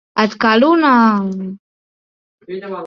Et cal una...?